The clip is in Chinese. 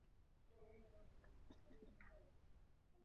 也称为病毒的外衣壳。